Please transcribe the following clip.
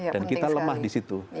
dan kita lemah di situ